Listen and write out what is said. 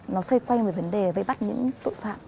nó xoay quanh về vấn đề vây bắt những tội phạm